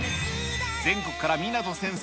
全国から湊先生